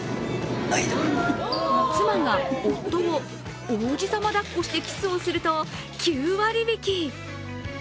妻が夫を王子様だっこしてキスをすると、９割引！